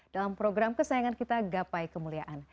dalam program kesayangan kita gapai kemuliaan